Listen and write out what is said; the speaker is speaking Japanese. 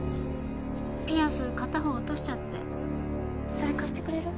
ピアス片方落としちゃってそれ貸してくれる？